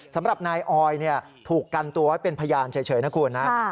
สำหรับนายออยถูกกันตัวไว้เป็นพยานเฉยนะคุณนะ